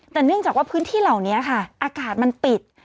แต่เนื่องจากว่าพื้นที่เหล่านี้ค่ะอากาศมันปิด